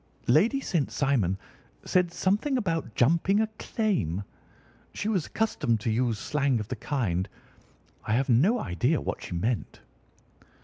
"Lady St. Simon said something about 'jumping a claim.' She was accustomed to use slang of the kind. I have no idea what she meant."